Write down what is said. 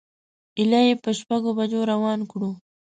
ایله یې په شپږو بجو روان کړو.